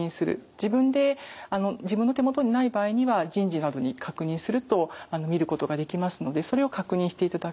自分で自分の手元にない場合には人事などに確認すると見ることができますのでそれを確認していただく。